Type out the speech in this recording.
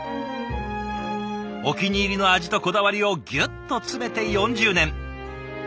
お気に入りの味とこだわりをぎゅっと詰めて４０年。